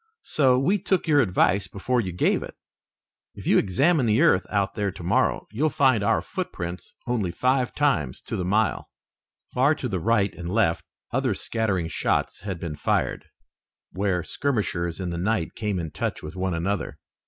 So we took your advice before you gave it. If you'll examine the earth out there tomorrow you'll find our footprints only five times to the mile." Far to the right and left other scattering shots had been fired, where skirmishers in the night came in touch with one another.